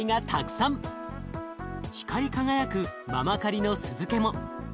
光り輝くままかりの酢漬けも。